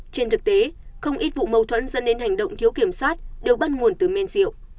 trên thực tế không ít vụ mâu thuẫn dẫn đến hành động thiếu kiểm soát đều bắt nguồn từ men rượu